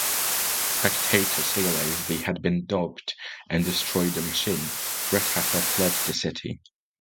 Spectators realized they had been duped and destroyed the machine; Redheffer fled the city.